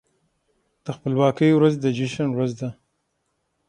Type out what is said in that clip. د خپلواکۍ ورځ د جشن ورځ ده.